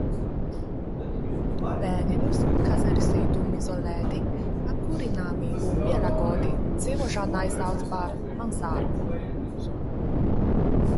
Bēniņus, kas ir siltumizolēti, apkurināmi un pielāgoti dzīvošanai, sauc par mansardu.